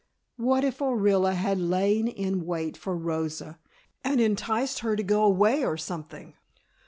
What if Orilla had lain in wait for Rosa and enticed her to go away or something?